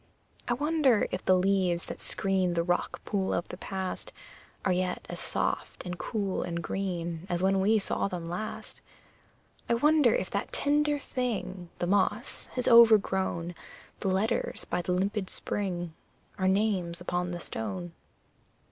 I wonder if the leaves that screen The rock pool of the past Are yet as soft and cool and green As when we saw them last! I wonder if that tender thing, The moss, has overgrown The letters by the limpid spring Our names upon the stone!